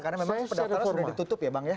karena memang pendaftaran sudah ditutup ya bang ya